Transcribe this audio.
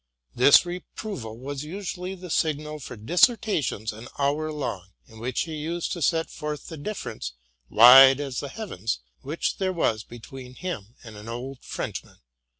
This reproval was usually the signal for dis sertations an hour long, in which he used to set forth the difference, wide as the heavens, which there was between him and an old Frenchman.